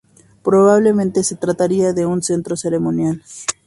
Probablemente se trataría de un centro ceremonial.